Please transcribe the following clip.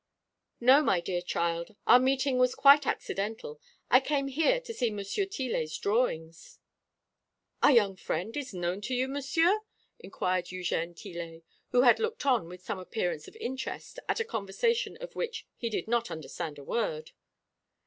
"No, my dear child, our meeting is quite accidental. I came here to see Monsieur Tillet's drawings." "Our young friend is known to you, Monsieur?" inquired Eugène Tillet, who had looked on with some appearance of interest at a conversation of which he did not understand a word.